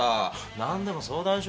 何でも相談しろ。